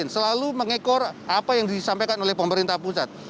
selalu mengekor apa yang disampaikan oleh pemerintah pusat